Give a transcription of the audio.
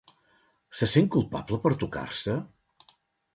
Se sent culpable per tocar-se?